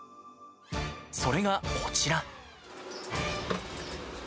それがこちら。